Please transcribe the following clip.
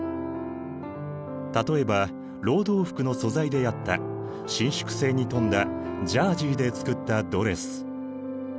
例えば労働服の素材であった伸縮性に富んだジャージーで作ったドレス。